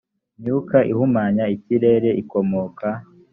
myuka ihumanya ikirere ikomoka